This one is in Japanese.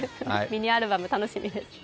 ミニアルバム、楽しみです。